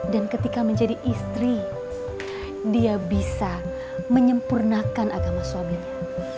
dan ketika menjadi istri dia bisa menyempurnakan agama suaminya